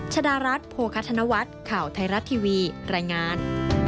ชดารัฐโภคธนวัฒน์ข่าวไทยรัฐทีวีรายงาน